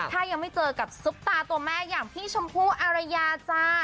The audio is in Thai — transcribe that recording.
ถ้ายังไม่เจอกับซุปตาตัวแม่อย่างพี่ชมพู่อารยาจ้า